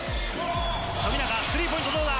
富永、スリーポイントどうだ？